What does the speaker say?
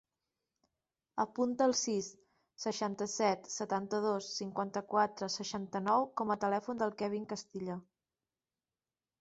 Apunta el sis, seixanta-set, setanta-dos, cinquanta-quatre, seixanta-nou com a telèfon del Kevin Castilla.